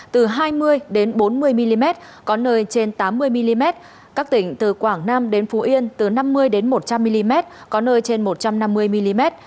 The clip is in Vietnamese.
từ hai mươi bốn mươi mm có nơi trên tám mươi mm các tỉnh từ quảng nam đến phú yên từ năm mươi một trăm linh mm có nơi trên một trăm năm mươi mm